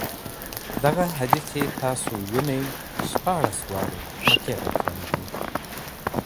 دغه حاجي چي تاسي وینئ شپاڼس واره مکې ته تللی دی.